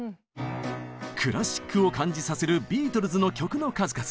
クラシックを感じさせるビートルズの曲の数々。